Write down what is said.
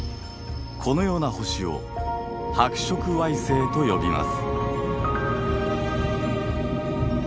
このような星を白色矮星と呼びます。